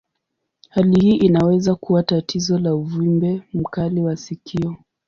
Hali hii inaweza kuwa tatizo la uvimbe mkali wa sikio.